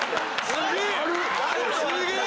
すげえ！